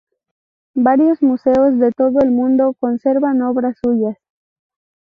Varios museos de todo el mundo conservan obras suyas.